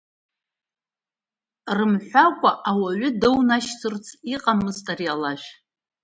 Рымҳәакәа ауаҩы даунашьҭырц иҟаӡамызт ари алажә!